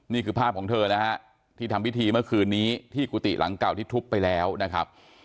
นี่คือภาพของเธอนะฮะที่ทำพิธีเมื่อคืนนี้ที่กุฏิหลังเก่าที่ทุบไปแล้วนะครับ